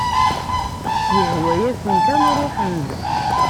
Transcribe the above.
Ihwa-yasen kan ruḥen-d.